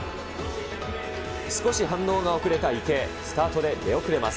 少し反応が遅れた池江、スタートで出遅れます。